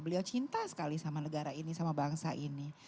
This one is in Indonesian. beliau cinta sekali sama negara ini sama bangsa ini